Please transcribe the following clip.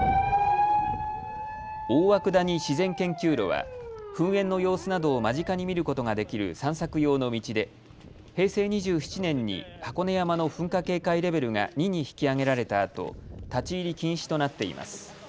大涌谷自然研究路は噴煙の様子などを間近に見ることができる散策用の道で平成２７年に箱根山の噴火警戒レベルが２に引き上げられたあと立ち入り禁止となっています。